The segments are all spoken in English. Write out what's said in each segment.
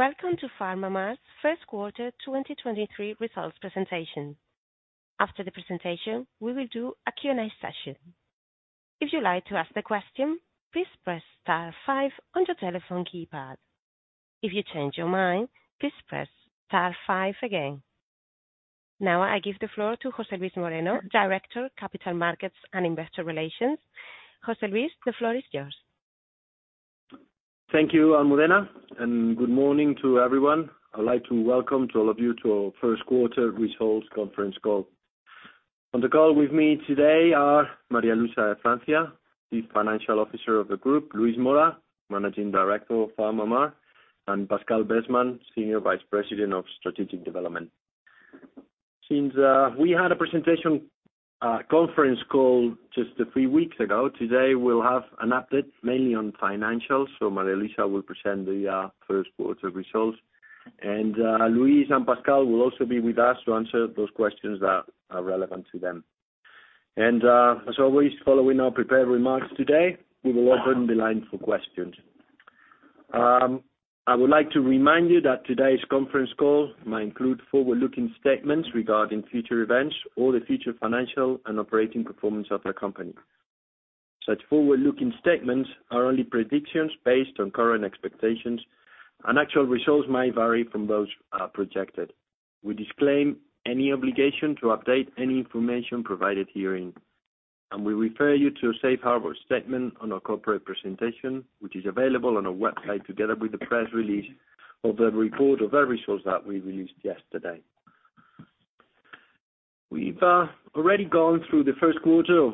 Welcome to PharmaMar's first quarter 2023 results presentation. After the presentation, we will do a Q&A session. If you'd like to ask the question, please press star 5 on your telephone keypad. If you change your mind, please press star 5 again. I give the floor to José Luis Moreno, Director, Capital Markets and Investor Relations. José Luis, the floor is yours. Thank you, Almudena. Good morning to everyone. I'd like to welcome to all of you to our first quarter results conference call. On the call with me today are María Luisa de Francia, the Financial Officer of the Group, Luis Mora, Managing Director of PharmaMar, and Pascal Besman, Senior Vice President of Strategic Development. We had a presentation conference call just a few weeks ago, today we'll have an update mainly on financials. María Luisa will present the first quarter results, and Luis and Pascal will also be with us to answer those questions that are relevant to them. As always, following our prepared remarks today, we will open the line for questions. I would like to remind you that today's conference call might include forward-looking statements regarding future events or the future financial and operating performance of our company. Such forward-looking statements are only predictions based on current expectations. Actual results may vary from those projected. We disclaim any obligation to update any information provided herein. We refer you to a safe harbor statement on our corporate presentation, which is available on our website together with the press release of the report of our results that we released yesterday. We've already gone through the first quarter of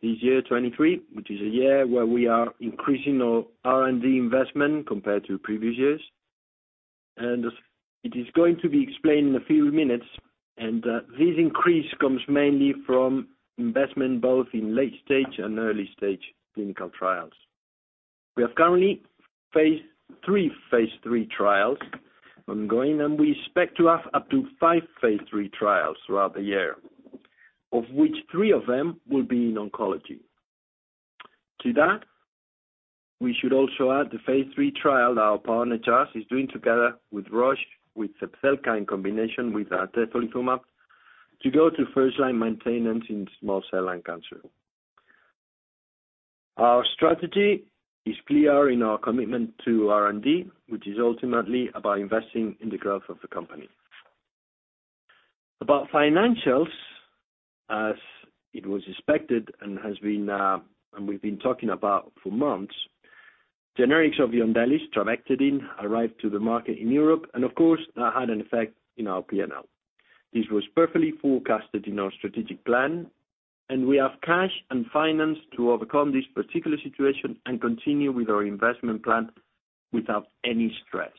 this year, 2023, which is a year where we are increasing our R&D investment compared to previous years. It is going to be explained in a few minutes. This increase comes mainly from investment both in late stage and early stage clinical trials. We have currently three phase III trials ongoing, and we expect to have up to five phase III trials throughout the year, of which three of them will be in oncology. To that, we should also add the phase III trial our partner, Jazz, is doing together with Roche with Zepzelca in combination with atezolizumab to go to first-line maintenance in small cell lung cancer. Our strategy is clear in our commitment to R&D, which is ultimately about investing in the growth of the company. About financials, as it was expected and has been, and we've been talking about for months, generics of Yondelis, trabectedin, arrived to the market in Europe, and of course, that had an effect in our P&L. This was perfectly forecasted in our strategic plan. We have cash and finance to overcome this particular situation and continue with our investment plan without any stress.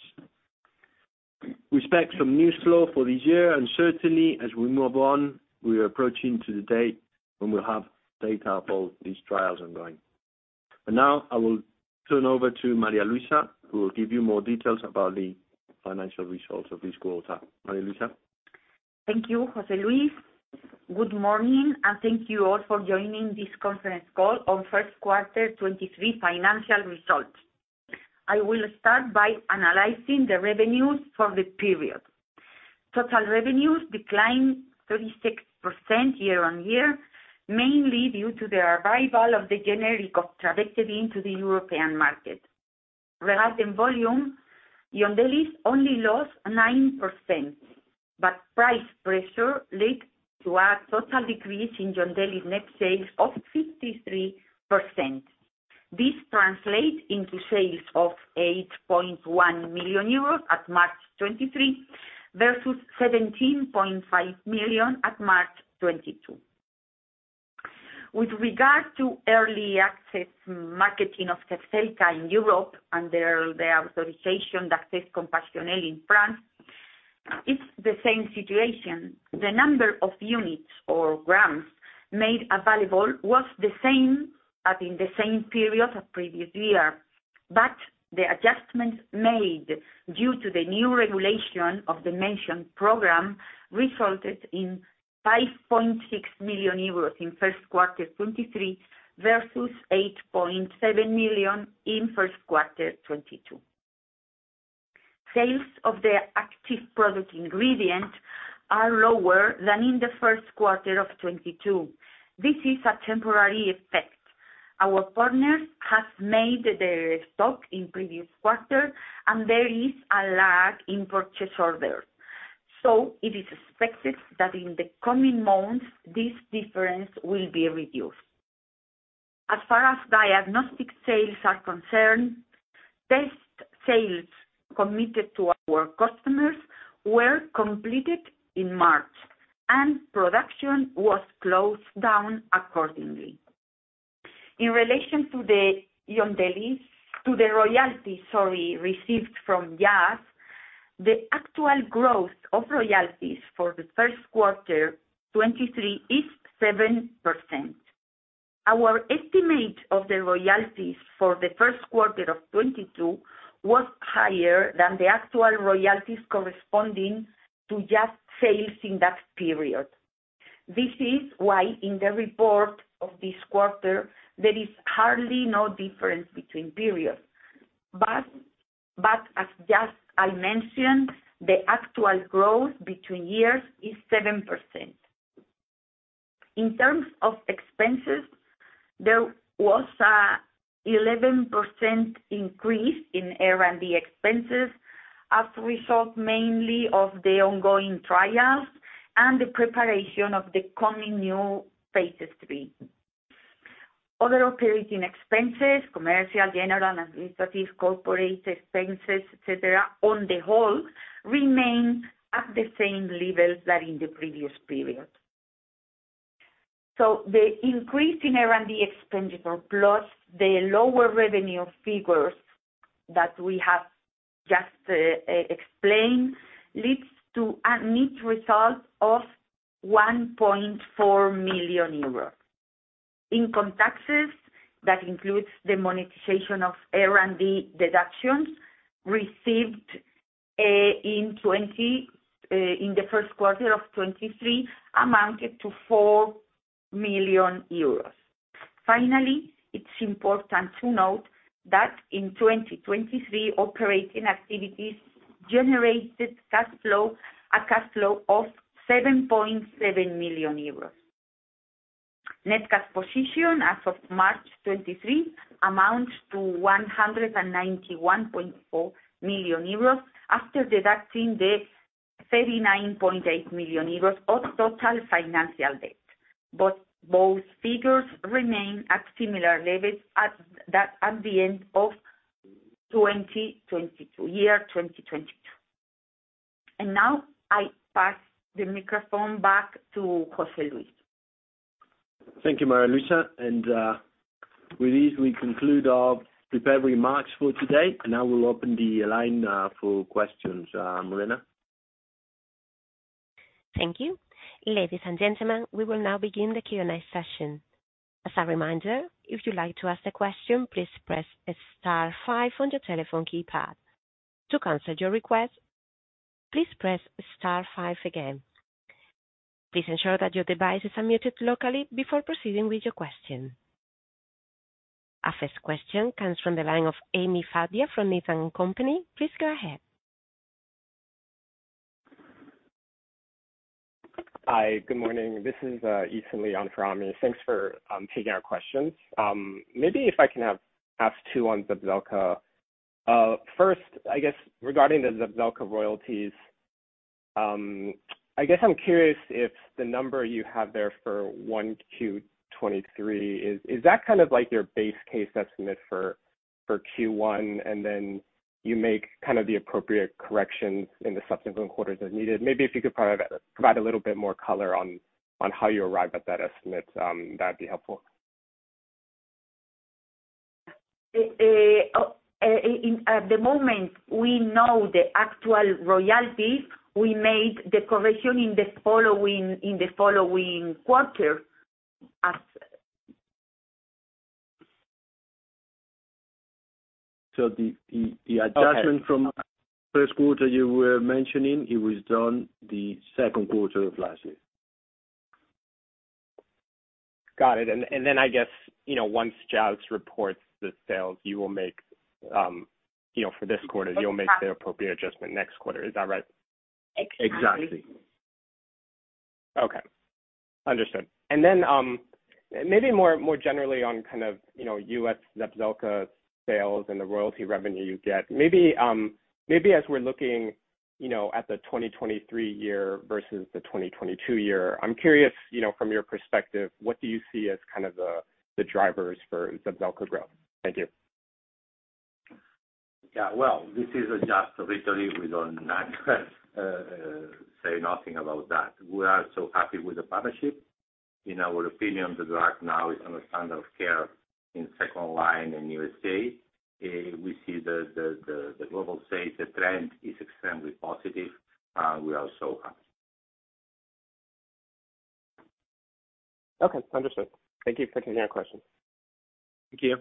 We expect some new flow for this year. Certainly as we move on, we are approaching to the date when we'll have data of all these trials ongoing. Now I will turn over to María Luisa, who will give you more details about the financial results of this quarter. María Luisa. Thank you, José Luis. Good morning, thank you all for joining this conference call on first quarter 2023 financial results. I will start by analyzing the revenues for the period. Total revenues declined 36% year-on-year, mainly due to the arrival of the generic of trabectedin into the European market. Regarding volume, Yondelis only lost 9%, Price pressure led to a total decrease in Yondelis net sales of 53%. This translates into sales of 8.1 million euros at March 2023 versus 17.5 million at March 2022. With regard to early access marketing of Zepzelca in Europe and the autorisation d'accès compassionnel in France, it's the same situation. The number of units or grams made available was the same as in the same period of previous year, but the adjustments made due to the new regulation of the mentioned program resulted in 5.6 million euros in first quarter 2023 versus 8.7 million in first quarter 2022. Sales of the active pharmaceutical ingredient are lower than in the first quarter of 2022. This is a temporary effect. Our partners have made their stock in previous quarter, and there is a lag in purchase orders. It is expected that in the coming months, this difference will be reduced. As far as diagnostic sales are concerned, test sales committed to our customers were completed in March, and production was closed down accordingly. In relation to the royalties, sorry, received from Jazz, the actual growth of royalties for the first quarter 2023 is 7%. Our estimate of the royalties for the first quarter of 2022 was higher than the actual royalties corresponding to just sales in that period. This is why in the report of this quarter, there is hardly no difference between periods. As just I mentioned, the actual growth between years is 7%. In terms of expenses, there was a 11% increase in R&D expenses as a result mainly of the ongoing trials and the preparation of the coming new phases III. Other operating expenses, commercial, general, and administrative, corporate expenses, et cetera, on the whole remain at the same levels that in the previous period. The increase in R&D expenditure plus the lower revenue figures that we have just explained leads to a net result of 1.4 million euros. In contrast, that includes the monetization of R&D deductions received in the first quarter of 2023 amounted to 4 million euros. Finally, it's important to note that in 2023, operating activities generated cash flow, a cash flow of 7.7 million euros. Net cash position as of March 2023 amounts to 191.4 million euros after deducting the 39.8 million euros of total financial debt. Both figures remain at similar levels at the end of 2022. Now I pass the microphone back to José Luis. Thank you, Maria Luisa. With this, we conclude our prepared remarks for today, I will open the line for questions, Morena. Thank you. Ladies and gentlemen, we will now begin the Q&A session. As a reminder, if you'd like to ask a question, please press star five on your telephone keypad. To cancel your request, please press star five again. Please ensure that your device is unmuted locally before proceeding with your question. Our first question comes from the line of Ami Fadia from Needham & Company. Please go ahead. Hi, good morning. This is Ethan Lippman from Needham. Thanks for taking our questions. Maybe if I can ask two on Zepzelca. First, I guess regarding the Zepzelca royalties, I guess I'm curious if the number you have there for one Q-23 is that kind of like your base case estimate for Q1 and then you make kind of the appropriate corrections in the subsequent quarters as needed? Maybe if you could provide a little bit more color on how you arrive at that estimate, that'd be helpful. At the moment, we know the actual royalties we made the correction in the following quarter as... So the, the, the- Okay. adjustment from first quarter you were mentioning, it was done the second quarter of last year. Got it. Then I guess, you know, once Jazz reports the sales you will make, you know, for this quarter- Exactly. You'll make the appropriate adjustment next quarter. Is that right? Exactly. Exactly. Okay. Understood. Maybe more, more generally on kind of, you know, U.S. Zepzelca sales and the royalty revenue you get, maybe, as we're looking, you know, at the 2023 year versus the 2022 year, I'm curious, you know, from your perspective, what do you see as kind of the drivers for Zepzelca growth? Thank you. Yeah. Well, this is just literally we don't say nothing about that. We are so happy with the partnership. In our opinion, the drug now is on a standard of care in second line in U.S.A. We see the global sales trend is extremely positive, we are so happy. Okay. Understood. Thank you for taking our question. Thank you.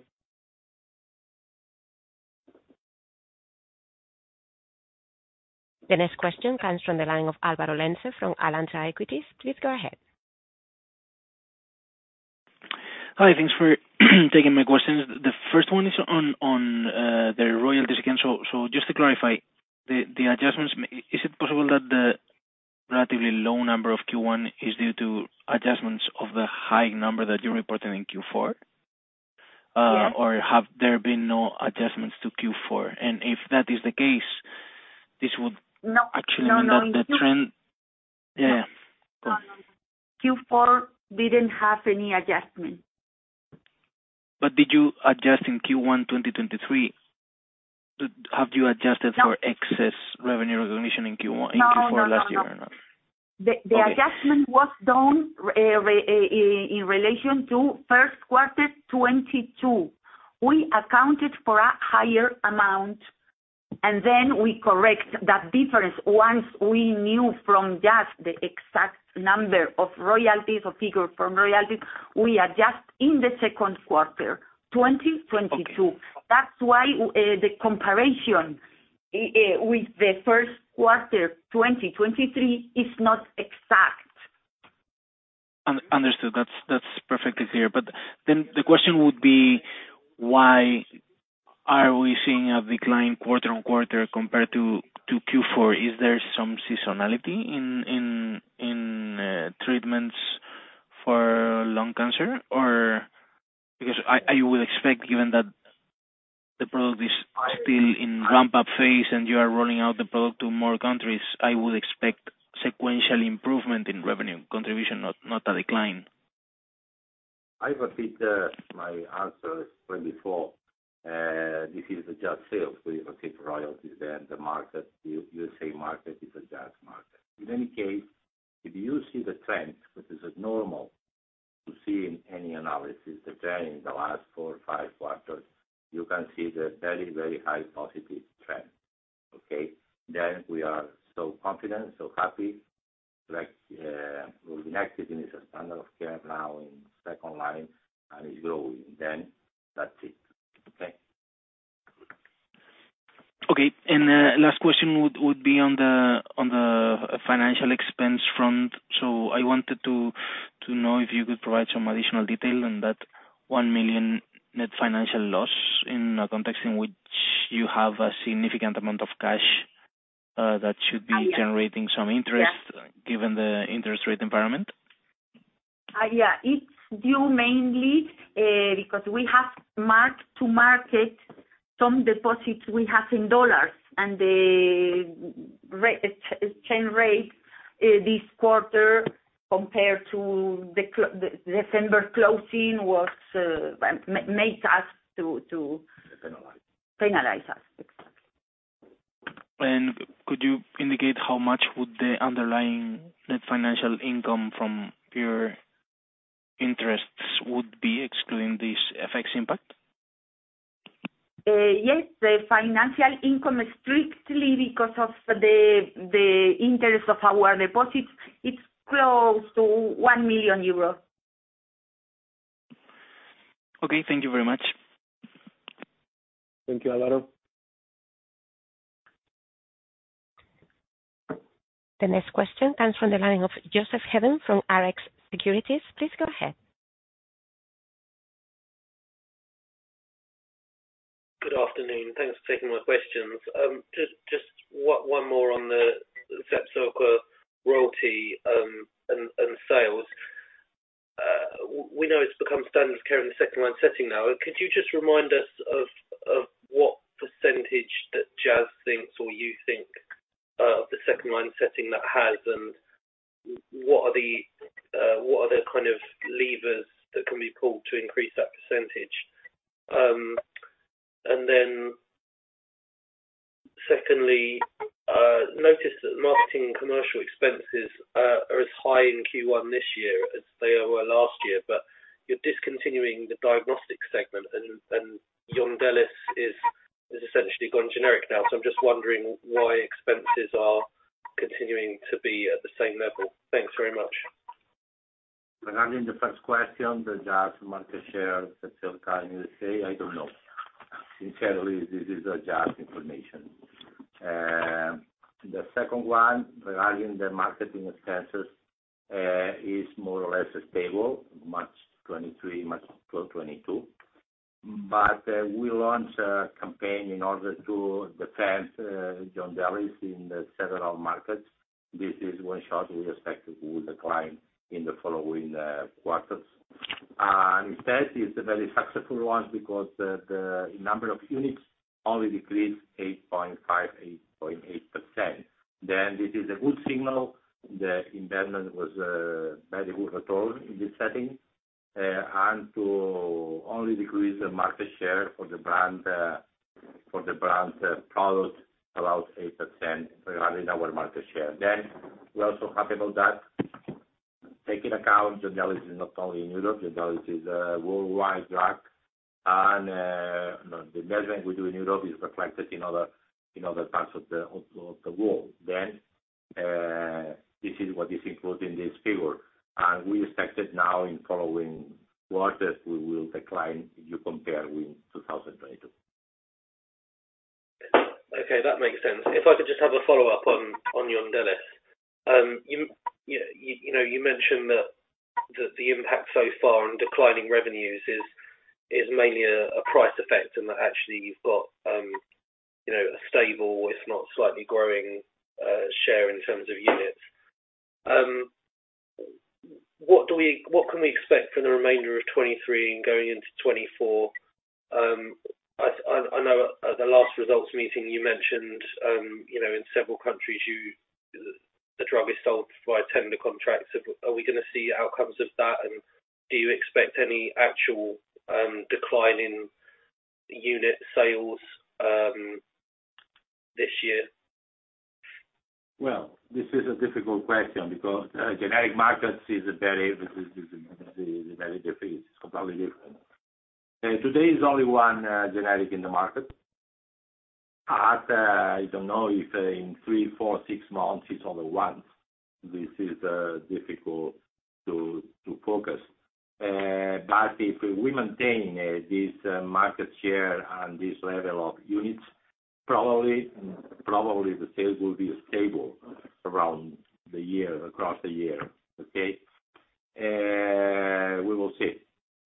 The next question comes from the line of Álvaro Lenze from Alantra Equities. Please go ahead. Hi. Thanks for taking my questions. The first one is on, the royalties again. Just to clarify, the adjustments, is it possible that the relatively low number of Q1 is due to adjustments of the high number that you reported in Q4? Yeah. Have there been no adjustments to Q-four? If that is the case. No. actually mean that the trend No, no. Yeah. Go on. Q4 didn't have any adjustment. Did you adjust in Q1 2023? Have you adjusted- No. -for excess revenue recognition in Q-one, in Q-four last year or not? No, no, no. Okay. The adjustment was done in relation to first quarter 2022. We accounted for a higher amount, we correct that difference. Once we knew from just the exact number of royalties or figure from royalties, we adjust in the second quarter 2022. Okay. That's why, the comparison with the first quarter 2023 is not exact. Understood. That's perfectly clear. The question would be, why are we seeing a decline quarter-on-quarter compared to Q4? Is there some seasonality in treatments for lung cancer, or... I would expect, given that the product is still in ramp-up phase and you are rolling out the product to more countries, I would expect sequential improvement in revenue contribution, not a decline. I repeat my answer from before. This is just sales. We take royalties. The market, the USA market is a Jazz market. In any case, if you see the trend, which is normal to see in any analysis, the trend in the last four or five quarters, you can see the very, very high positive trend. Okay? We are so confident, so happy, like, we'll be active in this standard of care now in second line and is growing. That's it. Okay. Okay. Last question would be on the financial expense front. I wanted to know if you could provide some additional detail on that 1 million net financial loss in a context in which you have a significant amount of cash that should be generating some interest... Yeah. given the interest rate environment. Yeah. It's due mainly because we have marked to market some deposits we have in dollars. The exchange rate this quarter compared to the December closing was make us to. Penalize. Penalize us. Exactly. Could you indicate how much would the underlying net financial income from your interests would be excluding this FX impact? Yes. The financial income is strictly because of the interest of our deposits. It's close to 1 million euros. Okay. Thank you very much. Thank you, Alvaro. The next question comes from the line of Joseph Hedden from Rx Securities. Please go ahead. Good afternoon. Thanks for taking my questions. Just one more on the Zepzelca royalty and sales. We know it's become standard care in the second line setting now. Could you just remind us of what percentage that Jazz thinks or you think the second line setting that has, and what are the kind of levers that can be pulled to increase that percentage? Then secondly, noticed that marketing commercial expenses are as high in Q1 this year as they were last year, but you're discontinuing the diagnostic segment, and Yondelis has essentially gone generic now. I'm just wondering why expenses are continuing to be at the same level. Thanks very much. Regarding the first question, the Jazz market share, Zepzelca in the USA, I don't know. Sincerely, this is a Jazz information. The second one, regarding the marketing expenses, is more or less stable, March 2023, March 2022. We launched a campaign in order to defend Yondelis in several markets. This is one shot we expect will decline in the following quarters. Instead is a very successful one because the number of units only decreased 8.5%, 8.8%. This is a good signal. The investment was very good at all in this setting, and to only decrease the market share for the brand product about 8% regarding our market share. We're also happy about that. Taking account Yondelis is not only in Europe, Yondelis is a worldwide drug. The measurement we do in Europe is reflected in other parts of the world. This is what is included in this figure. We expect it now in following quarters, we will decline you compare with 2022. Okay, that makes sense. If I could just have a follow-up on Yondelis. You know, you mentioned that the impact so far on declining revenues is mainly a price effect and that actually you've got, you know, a stable, if not slightly growing, share in terms of units. What can we expect for the remainder of 2023 and going into 2024? I know at the last results meeting you mentioned, you know, in several countries the drug is sold via tender contracts. Are we gonna see outcomes of that? Do you expect any actual decline in unit sales this year? Well, this is a difficult question because generic markets is very different. It's completely different. Today is only one generic in the market. At, I don't know if in three, four, six months it's only one. This is difficult to focus. If we maintain this market share and this level of units, probably the sales will be stable around the year, across the year. Okay? We will see.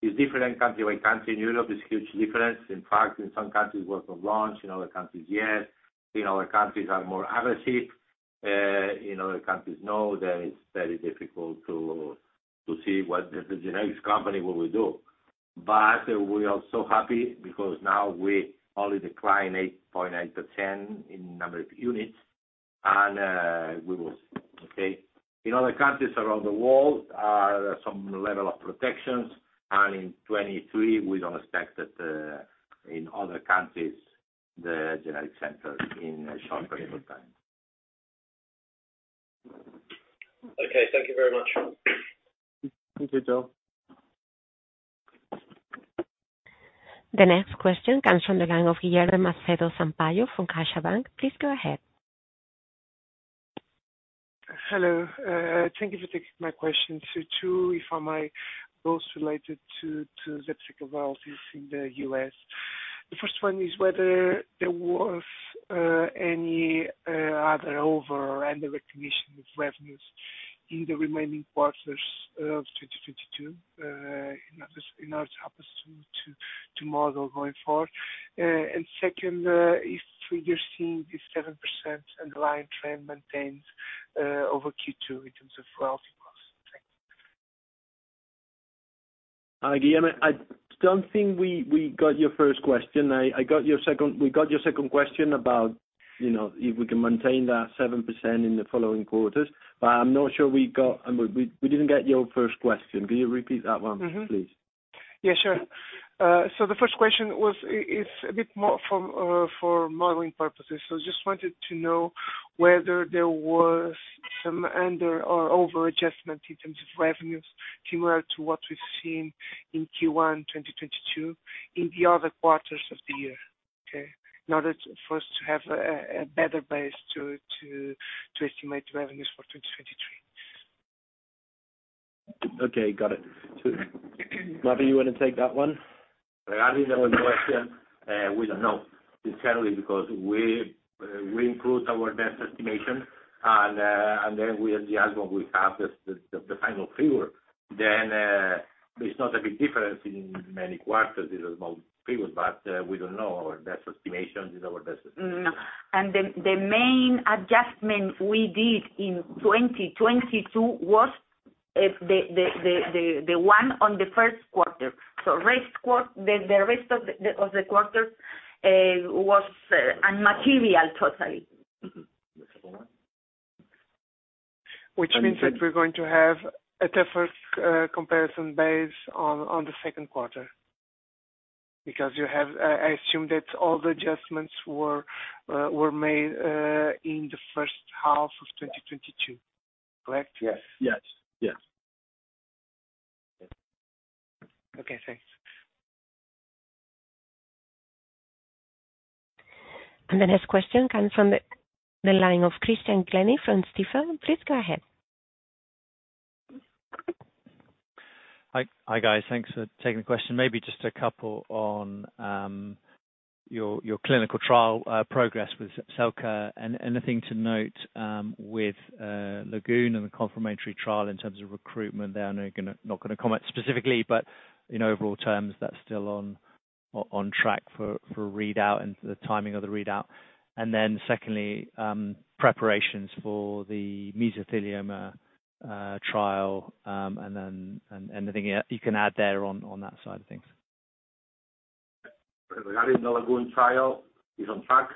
It's different country by country. In Europe, there's huge difference. In fact, in some countries, we have to launch. In other countries, yes. In other countries are more aggressive, in other countries, no. It's very difficult to see what the genetics company will do. We are so happy because now we only decline 8.9 to 10 in number of units, and we will see, okay? In other countries around the world, there's some level of protections, and in 2023, we don't expect that in other countries, the generic centers in a short period of time. Okay, thank you very much. Thank you, Joe. The next question comes from the line of Guilherme Sampaio from CaixaBank. Please go ahead. Hello. Thank you for taking my question. two, if I may, both related to Zepzelca royalties in the U.S. The first one is whether there was any other over and the recognition of revenues in the remaining quarters of 2022 in order to model going forward. Second, if three years in this 7% underlying trend maintains over Q-two in terms of royalty costs. Thanks. Hi, Guillermo. I don't think we got your first question. We got your second question about, you know, if we can maintain that 7% in the following quarters. I'm not sure we got... We didn't get your first question. Can you repeat that one? Mm-hmm. Please? Yeah, sure. The first question was, it's a bit more for modeling purposes. Just wanted to know whether there was some under or over adjustment in terms of revenues similar to what we've seen in Q1 2022 in the other quarters of the year, okay? In order for us to have a better base to estimate the revenues for 2023. Okay, got it. María, you want to take that one? Regarding the first question, we don't know, sincerely, because we include our best estimation and then we at the end when we have the final figure. There's not a big difference in many quarters. This is small figures, but we don't know. Our best estimation is our best estimation. No. The main adjustment we did in 2022 was the one on the first quarter. The rest of the quarter was immaterial totally. That we're going to have a tougher comparison base on the second quarter. You have I assume that all the adjustments were made in the first half of 2022. Correct? Yes. Yes. Yes. Okay, thanks. The next question comes from the line of Christian Glennie from Stifel. Please go ahead. Hi. Hi, guys. Thanks for taking the question. Maybe just a couple on your clinical trial progress with Zepzelca. Anything to note with LAGOON and the confirmatory trial in terms of recruitment there? I know you're not gonna comment specifically, but in overall terms, that's still on track for readout and the timing of the readout. Secondly, preparations for the mesothelioma trial, and then anything you can add there on that side of things. Regarding the LAGOON trial, is on track.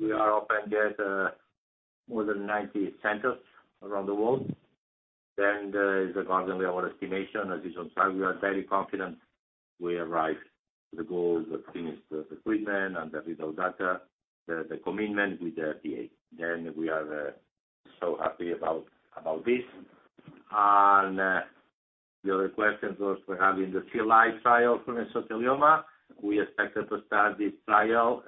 We are open there, more than 90 centers around the world. Is according to our estimation, as is on track, we are very confident we arrive the goals, the finished recruitment and the readout data, the commitment with the FDA. We are so happy about this. The other question was regarding the CLI trial for mesothelioma. We expected to start this trial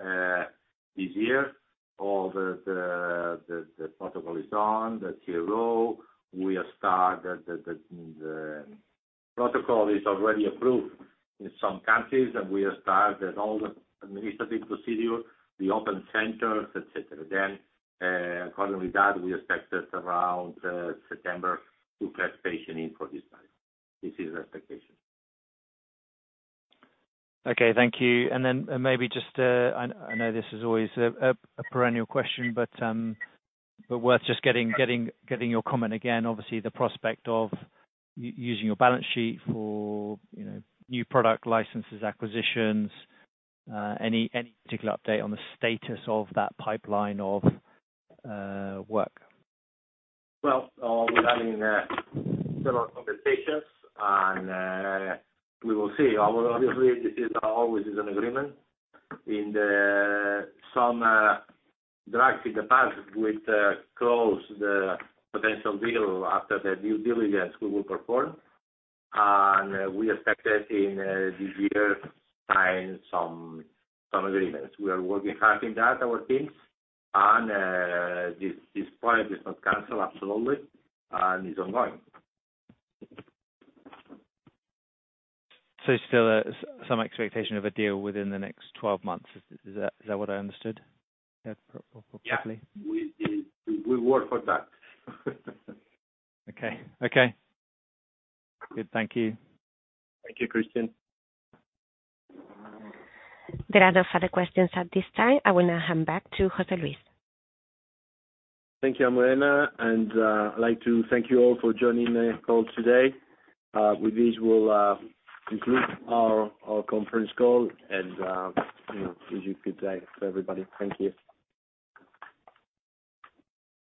this year. All the protocol is on, the CRO. We have started. protocol is already approved in some countries, and we have started all the administrative procedure, the open centers, et cetera. According to that, we expect it around September to collect patient in for this trial. This is expectation. Okay, thank you. Then maybe just, I know this is always a perennial question, but worth just getting your comment again, obviously, the prospect of using your balance sheet for, you know, new product licenses, acquisitions, any particular update on the status of that pipeline of work? We're having several conversations and we will see. Obviously, this is always is an agreement. In the some drugs in the past, we'd close the potential deal after the due diligence we will perform. We expected in this year sign some agreements. We are working hard in that, our teams. This project is not canceled, absolutely, and is ongoing. Still some expectation of a deal within the next 12 months. Is that what I understood? Yeah, probably. Yeah. We work for that. Okay. Okay. Good. Thank you. Thank you, Christian. There are no further questions at this time. I will now hand back to José Luis. Thank you, Almudena. I'd like to thank you all for joining the call today. With this, we'll conclude our conference call and, you know, wish a good day to everybody. Thank you.